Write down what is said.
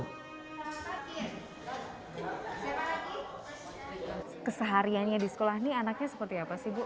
kesehariannya di sekolah ini anaknya seperti apa sih bu